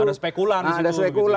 ada spekulan di situ